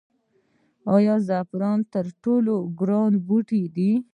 آیا زعفران تر ټولو ګران بوټی دی؟